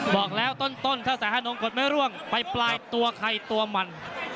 บอกแล้วต้นถ้าแสงฮานงกดไม่ร่วงไปปลายตัวใครตัวมัน